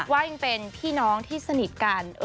ว่ายังเป็นพี่น้องที่สนิทกัน